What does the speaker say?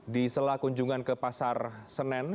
di sela kunjungan ke pasar senen